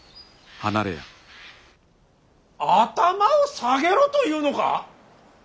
頭を下げろというのか。